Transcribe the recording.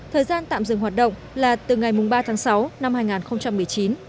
thời gian tạm dừng hoạt động là từ ngày ba tháng sáu năm hai nghìn một mươi chín